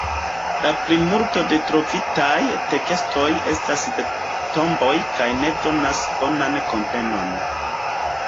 La plimulto de trovitaj tekstoj estas de tomboj kaj ne donas bonan komprenon.